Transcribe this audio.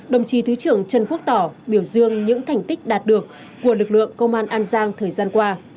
đồng chí thứ trưởng trần quốc tỏ biểu dương những thành tích đạt được của lực lượng công an an giang thời gian qua